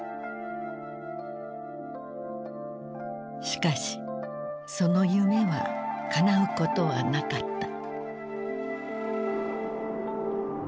しかしその夢はかなうことはなかった。